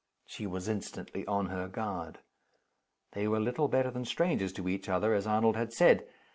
She was instantly on her guard. They were little better than strangers to each other, as Arnold had said.